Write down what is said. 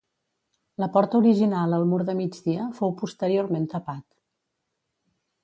La porta original al mur de migdia fou posteriorment tapat.